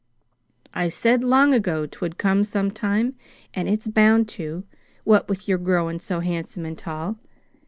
I said long ago 'twould come sometime, an' it's bound to what with your growin' so handsome and tall.